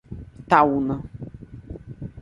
Itaúna